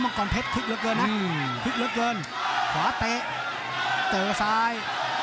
พลิกเล็กเยินขวาเตะเจอกับซ้าย